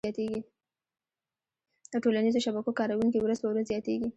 د ټولنیزو شبکو کارونکي ورځ په ورځ زياتيږي